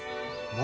何？